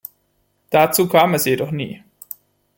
Dazu kam es jedoch nie.